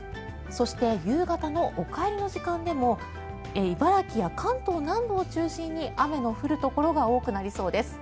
そして、夕方のお帰りの時間でも茨城や関東南部を中心に雨が降るところが多くなりそうです。